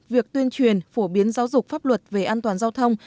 việc tuyên truyền phổ biến giáo dục pháp luật về an toàn giao thông